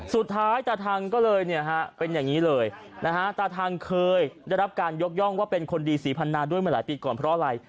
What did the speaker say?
สุดท้ายตาทังก็เลยเป็นอย่างนี้เลยตาทังเคยจะรับการยกย่องว่าเป็นคนดีสีพรรณาด้วยมาหลายปีก่อนเพราะอะไร